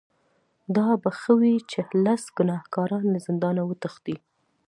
دا به ښه وي چې لس ګناهکاران له زندانه وتښتي.